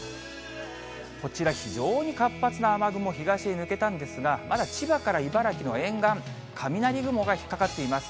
こちら、非常に活発な雨雲、東へ抜けたんですが、まだ千葉から茨城の沿岸、雷雲が引っ掛かっています。